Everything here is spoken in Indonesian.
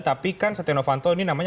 tapi kan setia novanto ini namanya